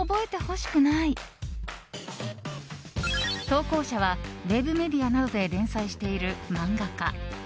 投稿者はウェブメディアなどで連載している漫画家。